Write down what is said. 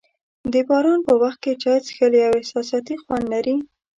د باران په وخت چای څښل یو احساساتي خوند لري.